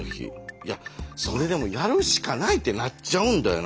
いやそれでもやるしかないってなっちゃうんだよな。